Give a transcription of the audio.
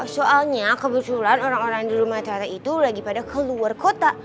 soalnya kebetulan orang orang di rumah tara itu lagi pada keluar kota